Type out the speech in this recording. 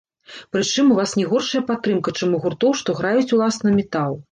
Прычым, у вас не горшая падтрымка, чым у гуртоў, што граюць, уласна, метал.